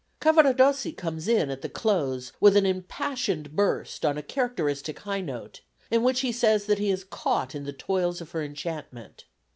Cavaradossi comes in at the close with an impassioned burst on a characteristic high note, in which he says that he is caught in the toils of her enchantment.